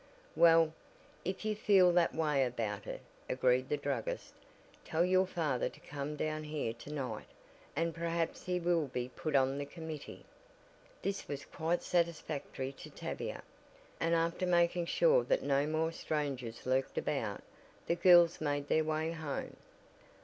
"Well, if you feel that way about it," agreed the druggist, "tell your father to come down here to night and perhaps he will be put on the committee." This was quite satisfactory to Tavia, and after making sure that no more strangers lurked about, the girls made their way home.